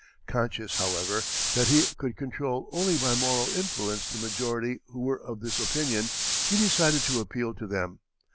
Conscious, however, that he could control only by moral influence the majority who were of this opinion, he decided to appeal to them.